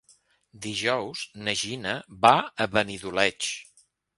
Dijous na Gina va a Benidoleig.